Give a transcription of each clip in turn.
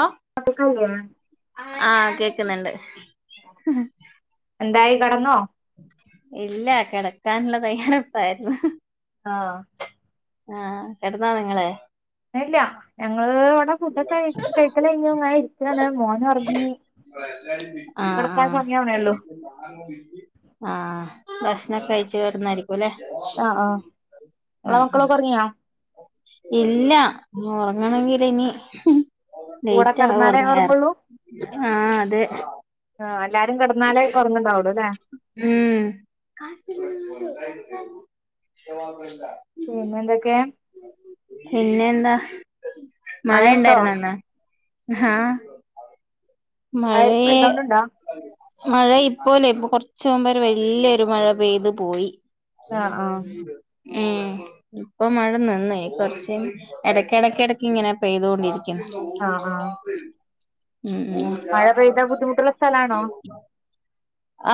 ആഹ് [unintelligible] ആഹ് കേക്ക്ണണ്ട് എന്തായി കിടന്നോ? ഇല്ല കിടക്കാനുള്ള തയ്യാറെപ്പായിരുന്നു. ആഹ്. ആഹ് കെട്ന്നോ നിങ്ങള്. ഇല്ല ഞങ്ങള് വ്വിടെ ഫുഡ്‌ ക കഴിക്കൽ കഴിഞ്ഞു ഇങ്ങനെ ഇരിക്കാണ് മോന് ഒറങ്ങി. ആഹ് കെടക്കാൻ ആഹ് സമയാവണേള്ളൂ ആഹ് ഭക്ഷണംഒക്കെ കഴിച്ച് കിടന്നായിരിക്കും അല്ലേ ങ്ങളെ മക്കളൊക്കെ ഒർങ്ങിയോ ഇല്ല ഒറങ്ങണങ്കിൽ ഇനി. കൂടെ ലേറ്റ് ആവും കെടന്നാലേ ഒറങ്ങാന് ഒറങ്ങുള്ളൂ ആഹ് അതെ. ആഹ് എല്ലാരും കെട്ന്നാലേ ഒറങ്ങ്ണ്ടാവൊള്ളൂ ല്ലെ. ഉം [unintelligible] പിന്നെ എന്തൊക്കെ പിന്നെ എന്താ മഴ മഴണ്ടോ? ഇണ്ടായിരുന്നോ ഇന്ന് ആഹ്. മഴ മഴയേ പെയ്തോണ്ട്ണ്ടോ? മഴ ഇപ്പോ ല്ലെ [unintelligible] ഇപ്പൊ കൊറച്ച് മുമ്പൊര് വെല്യ ഒരു മഴ പെയ്തു പോയി. ആഹ് ആഹ് [unintelligible] ഉം ഇപ്പൊ മഴ നിന്നേയ് കൊറച്ച് ഇടക്ക് ഇടക്ക് ഇടക്ക് ഇങ്ങനെ പെയ്തൊണ്ടിരിക്കും. ആഹ് ആഹ് [unintelligible] ഉം ഉം. മഴ പെയ്താ ബുദ്ധിമുട്ടുള്ള സ്ഥലാണോ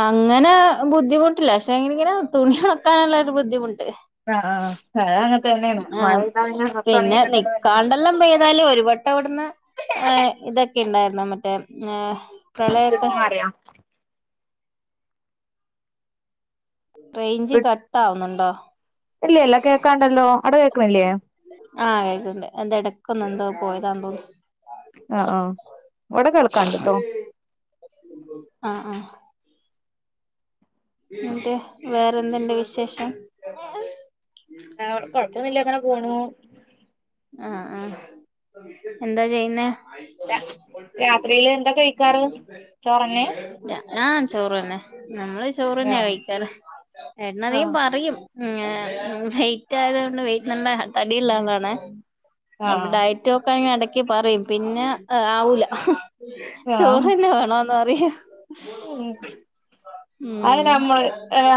അങ്ങനെ ബുദ്ധിമുട്ടില്ല പക്ഷെ ങ്കില് ഇങ്ങനെ തുണി ഉണക്കാനുള്ളരു ബുദ്ധിമുട്ട്. ആഹ് ആഹ് അത് അങ്ങനെ തന്നേണ് മഴ ആഹ് പെയ്താ ഡ്രസ്സ് ഒണങ്ങി പിന്നെ കിട്ടല് വല്യ പണിയന്നെ നിക്കാണ്ടെല്ലാം പെയ്താല് ഒരുവട്ട ട്ടവ്ട്ന്ന് ഏഹ് ഇതൊക്കെ ണ്ടായിരുന്നോ മറ്റേ എഹ് പ്രളയൊക്കെ വീട്ടില് മഴയാ റെയ്ഞ്ച് കട്ട് ആവ്ന്നുണ്ടോ ഇല്ലല്ല കേൾക്കാണ്ടല്ലോ അടെ കേക്ക്‌ണില്ലേ ആഹ് കേക്ക്ണ്ട് അത് എടക്കൊന്ന് എന്തോ പോയതാണ് തോന്ന് ആഹ് ആഹ് ഇവിടെ കേൾക്കാണ്ട്ട്ടോ ആഹ് ആഹ് എന്ന്ട്ട് വേറെന്ത് ണ്ട് വിശേഷം വേർ കൊഴപ്പൊന്നുല്ല്യ അങ്ങനെ പോണു ആഹ് ആഹ് എന്താ ചെയ്യുന്നേ രാ, രാത്രിയില് എന്താ കഴിക്കാറ് ചോറെന്നെ ആഹ് ചോറ് തന്നെ നമ്മള് ആ ചോറ്ന്നെയ് കഴിക്കാറ് ഏട്ടന് ആ അധികം പറയും ഉം എഹ് വെയ്റ്റ് ആയതോണ്ട് വെയിറ്റ് നല്ല തടിയിള്ളാള്ളാണ് ആ അപ്പൊ ഡറ്റ് റ്റോക്കാന് എടക് പറയും പിന്നെ എഹ് ആവൂല ആ ചോറ്ന്നെ വേണോന്ന് പറിം ഉം ഉം അയിനമ്മള്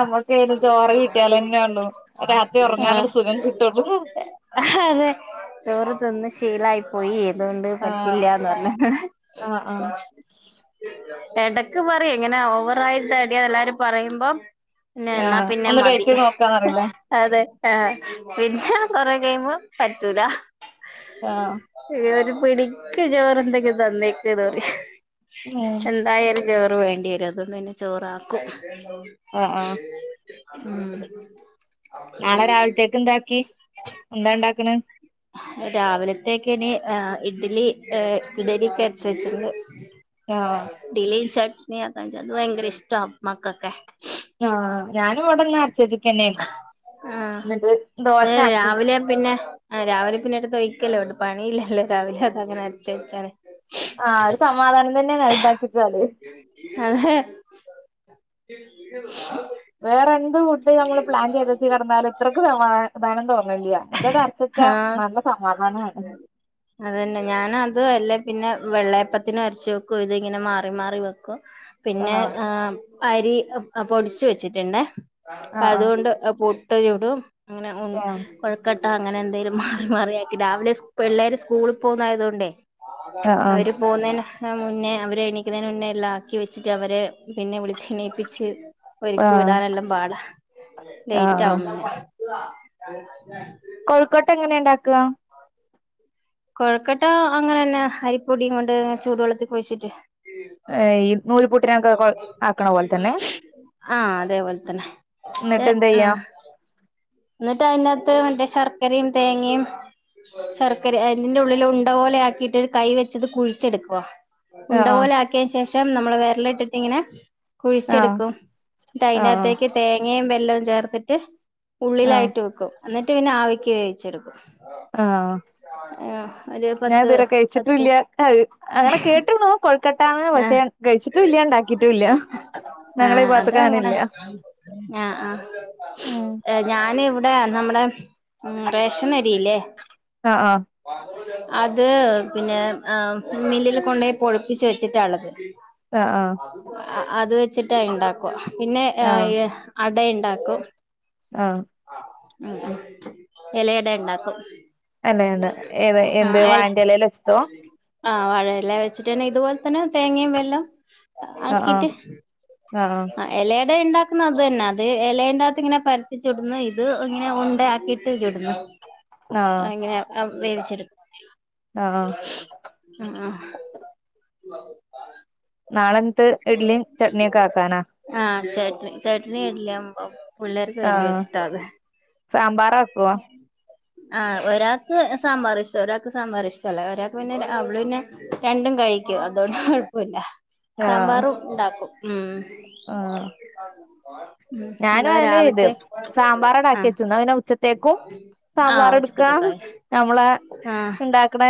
അമ്മക്കയ്ന് ചോറ് കിട്ടിയാലെന്നൊള്ളൂ രാത്രി ആഹ് ഉറങ്ങാനാണ്ട് സുഖം കിട്ടൊള്ളൂ അതെ ചോറ് തിന്ന് ശീലായി പോയി അതോണ്ട് പറ്റില്ലാന്ന് പറഞ്ഞ് ആഹ് ആഹ് എടക്ക് പറയൊയ് ഇങ്ങനെ ഓവറായി തടിയ എല്ലാരും പറയുമ്പം ന്നേ ആ എന്നാ പിന്നെ ഒന്ന് മതി ഡേറ്റ് നോക്കാന്നറിയില്ലേ അതെ ഏഹ് [unintelligible] കൊറെ കയ്യുമ്പോ പറ്റൂല ആഹ് ഏഹ് ഒരു പിടിക്ക് ചോറ്ണ്ടെങ്കി തന്നേക്ക്‌ ന്ന് പറിം ഉം. എന്തായാല് ചോറ് വേണ്ടിവരും അതോണ്ട് പിന്നെ ചോറാക്കും ആഹ് ആഹ് ഉം നാളെ രാവിൽത്തേക്ക് എന്താക്കി എന്താ ണ്ടാക്ക്‌ണ് [unintelligible] രാവിലത്തേക്ക്‌ ഇനി ഏഹ് ഇഡ്ഡ്ലി ഏഹ് ഇഡലിക്കരച്ചെച്ച്ക്ക്‌ണ് എഹ് ആഹ് ഡലിം ചട്ടണി അതാൺച്ച അത് ഭയങ്കര ഇഷ്ടം മക്കൊക്കെ ആഞാനും ഇവിടന്ന് അരച്ചേച്ചിക്കന്നെനു ആഹ് എന്നിട്ട് ദോശ ആക്കി. രാവിലെ പിന്നെ രാവിലെ പിന്നെ എടുത്തുയ്ക്കല്ലേ വേണ്ടു പണി ഇല്ലല്ലോ രാവിലെ അതഅങ്ങനെ അരച്ച വെച്ചാൽ. ആഒരു സമാധാനം തന്നെയാണ് ഉണ്ടാക്കിവെച്ചാൽ. അത [inaudible] വേറെ എന്ത് ക നമ്മള് പ്ലാൻ ചെയ്തച്ച കടന്നാൽ ഇത്രയ്ക്ക് സമാധനം തോന്നുന്നില്ല ഇതട അര ച്ചുവെച്ചാൽ നല്ല സമാധാനമാണ്. ഉ [inaudible] അത തന്നെ ഞാാന അത് അല്ലേ പിന്നെ വെള്ളയപ്പത്തിനന് അരച്ച് വെക്കും ഇത് ഇങ്ങനെ മാറി മാറി വെക്കും. പിന്നെ ആഹ് അരി പൊടിിച്ചു വെച്ചിട്ടുണ്ടേ അപ്പ ആഹ് ആഹ് അതുകൊണ്ട് പുട്ട് ചൂടും അങ്ങനെ ഉ ആഹ് കൊഴക്കെട്ടഅങ്ങനെ എന്തെങ്കലും മാറി മാറിയാക്കി രാവിലെ പിള്ളേർ സ്കൂളിൽ പോകുന്ന ആയത കൊണ്ടേ ആഹ് അവര് പോകുന്നതിന് മുന്നേ അവര് എണീക്കുന്നതിന് മുന്നേ എല്ലാം ആക്കി വെച്ചിട്ട് അവര് പിന്നെ വിളിച്ച എ ണീപ്പിച്ച് ഒരുക്കി ആഹ് വിടാനെല്ലാം പാടാ ആഹ് ലേറ്റ് ആഹ് ആാവുന്ന [unintelligible] കോഴക്കട്ട എങ്ങനെ ഉണ്ടാക്കുക? കൊഴക്കട്ടാ അങ്ങനെ തന്നെ അരിപ്പൊടിയും കൊണ്ട് ചൂടു വെള്ളത്തിൽ കൊഴിച്ചിട്ട് ഏ ഈ നൂല്പുട്ടിനൊക്കെ ആക്കണ പോലെ തന്നെ ആഅതേപോലെ തന്നെ എന്നിട്ട് ആ എന്തെയ്യാ എന്നിട്ട് അതിനകത്ത് മറ്റേ ശർക്കരയും തേങ്ങയും ശർക്കര അതിന്റെ ഉള്ളില് ഉണ്ട പോലെ ആക്കിയട്ട്കൈ വെച്ചിട്ട് കുഴിച്ചെടുക്കുവ. ഉണ്ട ആഹ് പോലെ ആക്കിയശേഷം നമ്മൾ വേര ൽ ഇട്ടിട്ട് ഇങ്ങനെ ആഹ് കുഴച്ചെടുക്കും ആഹ് ആഹ് അതിനകത്തേക്ക് തേങ്ങയും വെല്ലവും ചേർത്തിട്ട ആഹ് ഉള്ളിലായിട്ട് വെക്കും എന്നിട്ട് പിന്നെ ആവിക്ക് വേവിച്ചെടുക്കും. ഒരു പത്ത് ആഞാഇതുവരെ പത്ത് കഴിച്ചിട്ടില്ല അത് അങ്ങനെ കേട്ട്ണു. കൊഴ്ക്കട്ടാന്ന് പക്ഷേ ആഹ് കഴിച്ചിട്ടുല്ല ഉണ്ടാക്കിട്ടുല്ല ഞങ്ങളിഭാഗത്ത്ക്കങ്ങനെയില്ല. ആ ആ ഞാൻ ഇവിടെ നമ്മടെ മ് റേഷനരിയില്ലേ ആ ആ. അത് പിന്നേ ആ മില്ലില് കൊണ്ടോയി പൊടി [inaudible] ടിച്ചു വെച്ചിട്ട യുള്ളത്. ആ ആ അത് വെച്ചിട്ടാണ്ടാക്കുക പിന്നെ ആഹ് ആഹ് അട ഉണ്ടാക്കും. ആ. മ് ഇലയട ഉണ്ടാക്കും. അതെ അതെ ഏത് എന്ത് വഴന്റെ ഇലയിൽ വെച്ചിട്ടോ ആവഴയില വെച്ചിട്ട് തന്നെ ഇതുപോലെ തന്നെ തേങ്ങയും വെല്ലം ആഹ് ആഹ് ആക്കീട്ട് ആഹ് ആ. ഇലയുടെ ഉണ്ടാക്കുന്ന അത് തന്നെ അത് ഇലന്റകത്ത് ഇങ്ങനെ പരത്തിച്ചുടുന്ന് ഇത് ഇങ്ങനെ ഉണ്ടയാക്കിട്ട്. ചുടുന്നു ആഹ് ആഹ് ഇങ്ങനെ വേവിച്ചെടു ആആ. ആ. [unintelligible] നാളെന്നിട്ട് ഇഡ്ഡലിയും ചട്നിയൊക്കെ ആക്കാനാ ആചട്നി ചട്നി ഇഡി ലി വലിയകമ്പം.. പുള്ളേർക്ക് ഭയങ്കര ആഹ് ഇഷ്ട്ട അത്. സാമ്പാറാക്കുവോ ആ ഒരാൾക്ക് സമ്പാറിഷ്ടം ഒരാൾക്ക് സാമ്പാർ ഇഷ്ടല്ല. ഒരാൾക്ക് പിന്നെ അവള് പിന്നെ രണ്ടും കഴിക്കും അതുകൊണ്ട് കുഴപ്പമില്ല. ആഹ് സാമ്പാറും ഉണ്ടാക്കും മ്. ആഹ് ഞാനും അതന്നെ ചെയ്ത് സാമ്പാർ ടാ ആക്കി ആഹ് വെച്ച് ന്ന പിന്നെ ഉച്ചക്കത്തേക്കും ആഹ് സാമ്പാർ ഇട്ക്കാ ഉച്ചക്കത്തേക്കായി നമ്മളെ ആഹ് ഉണ്ടാക്ക്ണ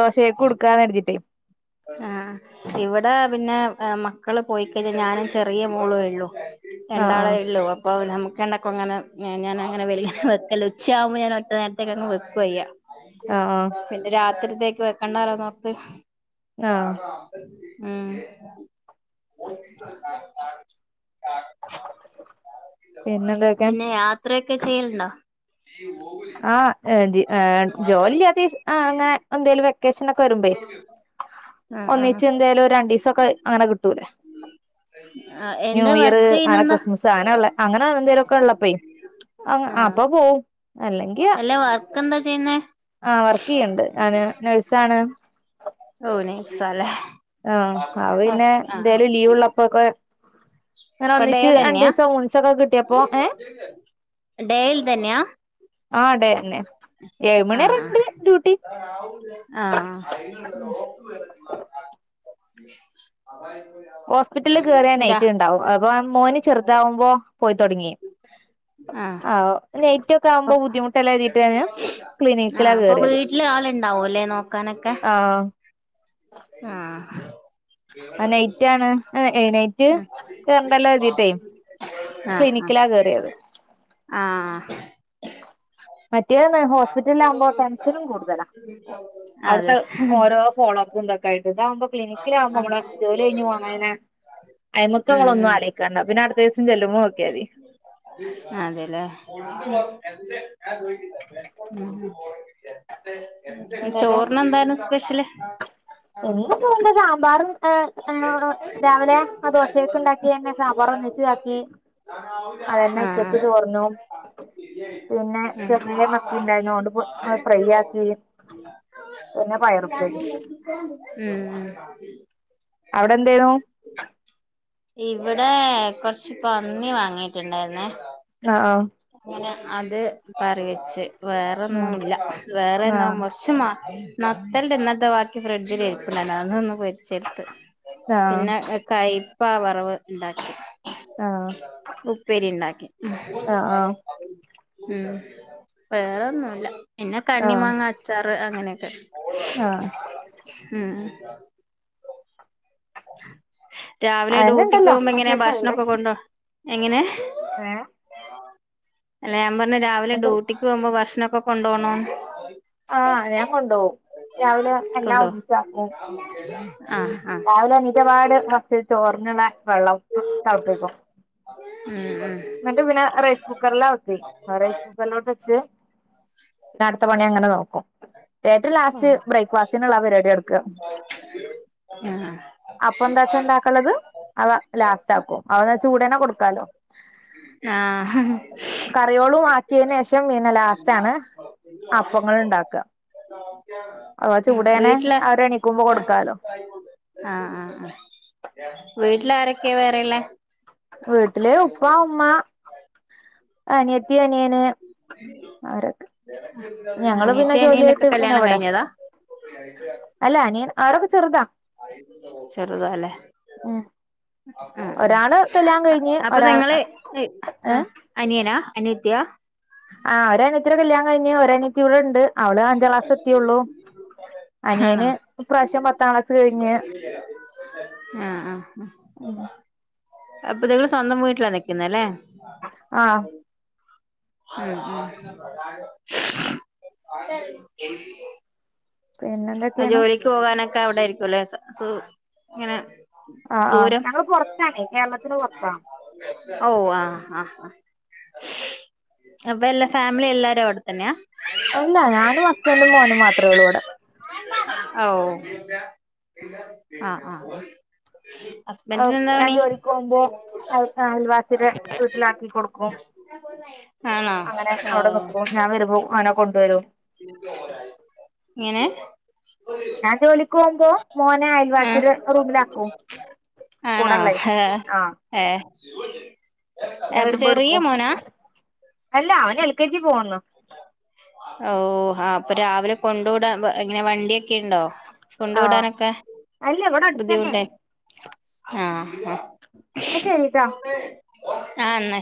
ദോശയൊക്കുടുക്ക കരുതീട്ട് ആഹ് ഇവിടെ പിന്നെ മക്കള് പോയിക്കഴിഞ്ഞാൽ ഞാനും ചെറിയ മോളുയെഉള്ളു ആഹ് ആഹ് രണ്ടാളേയുള്ളൂ ഇപ്പോ ഞമ്മക്ക് രണ്ടാക്കും അങ്ങനെ ഞാൻ അങ്ങനെ വലൃ വെക്കൽ ഉച്ചകുമ്പോ ഞാൻ ഒറ്റ നേരത്തേക്ക് അങ്ങനെ വെക്കുചെയ്യ ആഹ് ആഹ് പിന്നെ രാത്രിത്തേക്ക് വെക്കണ്ടന്നാലോന്നോർത്ത് ആഹ് ഉം പിന്നെന്തൊക്കെ പിന്നെ യാത്രയോക്കെ ചെയ്യലുണ്ടോ [inaudible] ആഹ ഏ ജി ജോലില്ലാതെയും അഹ് അങ്ങനെ എന്തേലും വെക്കേഷൻ ഒക്കെ വരുമ്പേ ആഹ് ആഹ് ഒന്നിച്ച് എന്തെലും രണ്ടിസം ഒക്കെ അങ്ങനെ കിട്ടൂലേ ആഹ് എന്താ ന്യൂഇയർ വർക്ക് അങ്ങനെ ചെയ്യുന്നെന്താ ക്രിസ്മസ് അങ്ങനെള്ള അങ്ങനെ എന്തേലും ഒക്കെ ഉള്ളപ്പേ അഹ് ആഹ് അപ്പൊ പോവും അല്ലെങ്കിൽ അല്ല വർക്ക് എന്താ ചെയ്യുന്നേ ആഹ വർക്ക് ചെയ്യ്ണ്ട് ഞാൻ നേഴ്സാണ് ഓ നേഴ്സാലേ ആഹ അഹ് പിന്നെ എന്തേലും ലീവ് ഉള്ളപ്പോക്കെ ങ്ങനെ ഇപ്പൊ ഡേ ഒന്നിച്ച് തന്നെയാ രണ്ടിസം മൂന്നിസംക്കെ കിട്ടിയ ഡേയിൽ ഇതന്നെയാ ആഹ് ടെ ആഹ ഡ്യൂട്ടി ആഹ് ആഹ [inaudible] [inaudible] ഹോസ്പിറ്റലിൽ കേറിയ നൈറ്റ് ഉണ്ടാവും അപ്പൊ മോന് ചെറുതാവുമ്പോ പോയിത്തൊടങ്ങി ആഹ് ആ ഓ നൈറ്റ് ഒക്കെ ആവുമ്പോ ബുദ്ധിമുട്ട എല്ലെ കരുതിട്ട് ഞാന് ക്ലിനിക്കിലാ കേറിയത് നോക്കാനേ ഒക്കെ ആ ഉം ആ നൈറ്റ് ആണ് ഏ നൈറ്റ് ആഹ് കേറണ്ടല്ലോ എഴുതിട്ടേ ആഹ് ക്ലിനിക്കിലാ കേറിയത് ആഹ് മറ്റേ ന്നാ ഹോസ്പിറ്റലിലാകുമ്പോ ടെൻഷനും കൂടുതലാ അതെ അവിടുത്തെ ഓരോ ഫോളോ അപ്പ് എന്തൊക്കായിട്ട് ഇതാവുമ്പോ ക്ലിനിക്കിലാവുമ്പോ നമ്മള് ജോലി കഴിഞ്ഞ് പോന്നാ പിന്നെ അയ്മക്ക് നമ്മള് ഒന്നും ആറിയിക്കാണ്ട പിന്നെടുത്ത ദിവസം ചെല്ലുമ്പോ നോക്കിയ മതി അതെല്ലേ ഉം പിന്നെ [inaudible] എന്തൊക്കെ ചോറിന് എന്താണ് സ്പെഷ്യല് പോവുമ്പോ [unintelligible] സാമ്പാറും ഏ ഏ രാവിലെ ആ ദോശെക്ക് ഇണ്ടാക്കി എന്നെ സാമ്പാർ ഒന്നിച് ആക്കി അതനെ ഉച്ചക്ക് ചൊറിനും പിന്നെ ചെറിയ മത്തി ഇണ്ടായിനു അതുകൊണ്ട് അത് ഫ്രൈ ആക്കി പിന്നെ പയറുപ്പേരിം ഉം അവിടെ എന്തേനു ഇവിടെ കൊറച്ച് പന്നി വാങ്ങിട്ടുണ്ടായിരുന്നെ ആഹ് ആഹ് അങ്ങനെ അത് കറിവെച്ച് ആഹ് വേറെന്നുല്ല ആഹ് വേറെന്തുമ്പോ കുറച്ച് നത്തൻ്റ ഇന്നലതെ ബക്കി ഫ്രിഡ്ജില് ഉണ്ടായിരുന്നു അതൊന്ന് പൊരിച്ചെടുത്ത് ആഹ് പിന്നെ കയ്പാ വറവ് ഉണ്ടാക്കി ആഹ് ഉപ്പേരിണ്ടാക്കി ആഹ് ആഹ് ഉം വേറെന്നുല്ല പിന്നെ കണ്ണി ആഹ് മാങ്ങ അച്ചാറ് അങ്ങനൊക്കെ ആഹ് ഉം രാവിലെ അതന്നെ ഡ്യൂട്ടിക്ക് ഉണ്ടല്ലോ പോകുമ്പോ എങ്ങനെയാ അത്യാവശ്യമായില്ലേ ഭക്ഷണക്കെ കൊണ്ടോ എങ്ങനെയാ ഏഹ് അല്ല ഞാൻ പറഞ്ഞ രാവിലെ എന്ത് ഡ്യൂട്ടിക്ക് പോകുമ്പോ ഭക്ഷണക്കെ കൊണ്ടോണോന്ന് ആഹ് ഞാൻ കൊണ്ടോവും രാവിലെ എല്ലാം കൊണ്ടോ ഒന്നിച്ചാക്കും ആഹ് ആഹ് രാവിലെ എണ്ണീറ്റപാട് ഫസ്റ്റ് ചോറിനുള്ള വെള്ളം തെളപ്പിക്കും ഉം ഉം എന്നിട്ട് പിന്നെ റൈസ് കുക്കറിൽ ആക്കി റൈസ് കുക്കറിലോട്ട് വെച്ച് പിന്ന അടുത്ത പണി അങ്ങനെ നോക്കും ചേട്ടൻ ലാസ്റ്റ് ബ്രേക്ക്ഫാസ്റ്റിനുള്ള പരിപാടി എടുക്കും ഉം ഉം അപ്പൊ എന്താച്ചാ ഒണ്ടാക്കലത് അവ ലാസ്റ്റ് ആക്കും അവ ചൂടന്നെ കൊടുക്കാലോ ആഹ് ഹ് ഹ് കറിയോളും ആക്കിയന് ശേഷം പിന്നെ ലാസ്റ്റാണ് അപ്പങ്ങൾ ഒണ്ടാക്ക ആഹ് വീട്ടിലെ അവര് എണീക്കുമ്പോ ആ കൊടുക്കാലോ ആഹ് ആഹ് ആ വീട്ടില് ആരൊക്കെ വേറെയുള്ളേ വീട്ടില് ഉപ്പാ ഉമ്മാ അനിയത്തി, അനിയന് അവരൊക്കെ ഞങ്ങള് പിന്നെ അനിയത്തി, അനിയനൊക്കെ ജോലിയായിട്ട് പിന്നെ കല്യാണം ഇവിടെ കഴിഞ്ഞതാ അല്ല അനിയൻ അവരൊക്കെ ചെറുതാ ചെറുതാലെ ഉം ആഹ് ആഹ് ഒരാള് കല്യാണം കഴിഞ്ഞ് അപ്പൊ ഒരാൾ നിങ്ങള് ഏ ആ അനിയനാ, അനിയത്തിയാ. ആ ഒരു അനിയത്തിടെ കല്യാണം കഴിഞ്ഞ് ഒര് അനിയത്തി ഇവിടെ ഇണ്ട്. അവള് അഞ്ചാം ക്ലാസ് എത്തിയൊള്ളു. ആണോ അനിയന് ഈ പ്രാവശ്യം പത്താം ക്ലാസ് കഴിഞ്ഞ്. ആഹ് ആഹ് ഉം അപ്പെ നിങ്ങള് സ്വന്തം വീട്ടിലാ നിൽക്കുന്നെ അല്ലേ. ആഹ് ഉം ഉം പിന്നെ എന്തൊക്കെയാണ്? ജോലിക്ക് പോകാനൊക്കെ അവിടെ ആയിരിക്കൂലേ സു ഇങ്ങനെ ആഹ് ആഹ് ദൂരം ഞങ്ങള് പെറത്താണേ കേരളത്തിന് പെറത്താ. ഓഹ് ആഹ് ആഹ് അപ്പ എല്ലാ ഫാമിലിം എല്ലാരും അവിടെത്തന്നെയാ. അല്ല ഞാനും ഹസ്ബൻറും മോനും മാത്രേ ഉള്ളൂ ഇവടെ. ആ ഓഹ് ആഹ് ആഹ് ഹസ്ബൻഡിന് എന്താ ഞാൻ പണി ജോലിക്ക് പോവുമ്പോ അയൽ അയൽവാസീടെ വീട്ടിലാക്കി കൊടുക്കും. ഞാൻ പോരുമേ അങ്ങനെ അവിടെ നിക്കും. ഞാൻ വരുമ്പോ അവനെ കൊണ്ടുവരും. എങ്ങനെ ഞാൻ ജോലിക്ക് പോവുമ്പോ മോനെ ആഹ് അയൽവാസീടെ റൂമിലാക്കും. ആണോ കൂടുള്ളലേ ആഹ്. ഏഹ് പിന്നെ അപ്പൊ വരുമ്പോ ചെറിയ എടുക്കും മോനാ? അല്ല അവന് എൽ കെ ജി പോവുന്നു. ഓ ആഹ് അപ്പൊ രാവിലെ കൊണ്ടു വിടാൻ ബ ഇങ്ങനെ വണ്ടിയൊക്കെ ഉണ്ടോ? കൊണ്ടു ആഹ് വിടാനൊക്കെ അല്ല ഇവിടെ അടുത്തന്നെയാണ് ബുദ്ധിമുട്ടായി ആഹ് ആഹ് എന്നാ ശരിട്ടാ എന്നാ